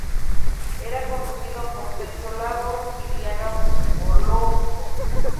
Era conducido por Sergio Lagos y Diana Bolocco.